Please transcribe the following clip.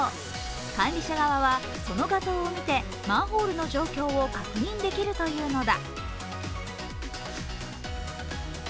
管理者側はその画像を見て、マンホールの状況を確認できるというのだ。